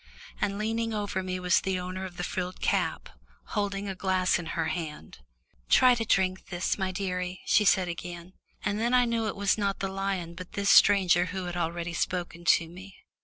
And leaning over me was the owner of the frilled cap, holding a glass in her hand. "Try to drink this, my dearie," she said again, and then I knew it was not the lion but this stranger who had already spoken to me.